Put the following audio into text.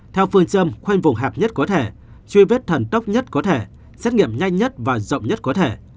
theo phương châm khoanh vùng hạp nhất có thể truy vết thần tốc nhất có thể xét nghiệm nhanh nhất và rộng nhất có thể